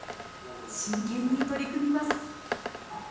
真剣に取り組みます。